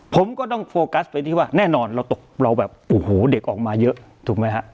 ผมก็ต้องโฟกัสไปที่ว่าแน่นอนเราตกเราแบบโอ้โหเด็กออกมาเยอะถูกไหมฮะ